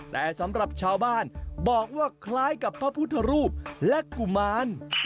แต่สำหรับชาวบ้านบอกว่าคล้ายกับพระพุทธรูปและกุมาร